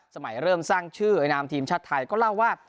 เริ่มสร้างชื่อไอนามทีมชาติไทยก็เล่าว่า